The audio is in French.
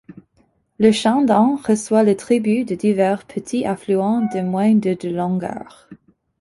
Le Chandon reçoit le tribut de divers petits affluents de moins de de longueur.